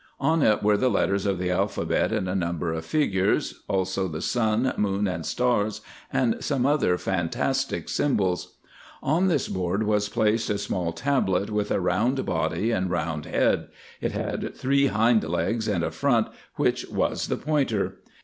On it were the letters of the alphabet and a number of figures, also the sun, moon, and stars, and some other fantastic symbols. On this board was placed a small table with a round body and round head, it had three hind legs and a front, which was the pointer.